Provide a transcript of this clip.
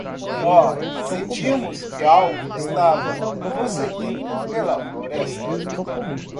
Nós sentimos que algo estava nos seguindo pela floresta.